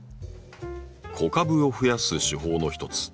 子株を増やす手法の一つ「縦割り」。